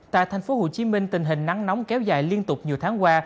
tại tp hcm tình hình nắng nóng kéo dài liên tục nhiều tháng qua